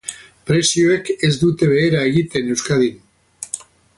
Prezioek ez dute behera egiten Euskadin.